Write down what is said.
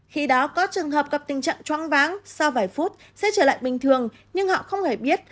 khi đó có trường hợp gặp tình trạng choãng váng sau vài phút sẽ trở lại bình thường nhưng họ không hề biết